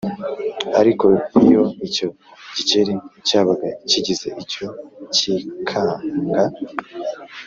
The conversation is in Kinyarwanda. Ariko iyo icyo gikeri cyabaga kigize icyo cyikanga